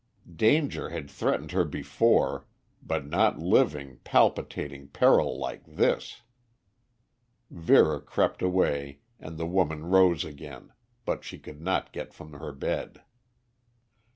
Danger had threatened her before, but not living, palpitating peril like this. Vera crept away and the woman rose again, but she could not get from her bed.